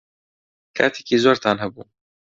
کاتێکی زۆرتان هەبوو.